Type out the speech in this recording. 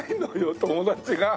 友達が。